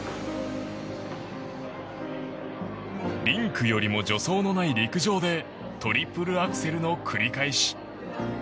リンクよりも助走のない陸上でトリプルアクセルの繰り返し。